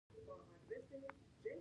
افغانستان د ښارونو په برخه کې شهرت لري.